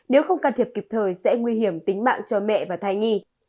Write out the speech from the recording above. nếu không can thiệp kịp thời sẽ nguy hiểm tính mạng cho mẹ và thai nhi